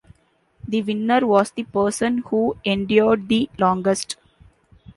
The winner was the person who endured the longest.